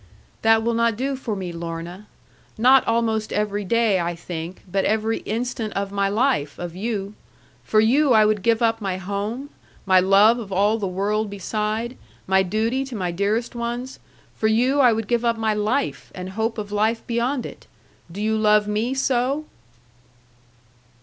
'That will not do for me, Lorna. Not almost every day I think, but every instant of my life, of you. For you I would give up my home, my love of all the world beside, my duty to my dearest ones, for you I would give up my life, and hope of life beyond it. Do you love me so?'